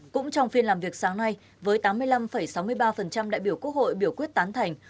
cũng trong phiên làm việc sáng nay với tám mươi năm sáu mươi ba đại biểu quốc hội biểu quyết tán thành